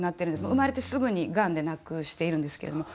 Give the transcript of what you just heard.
生まれてすぐにがんで亡くしているんですけども。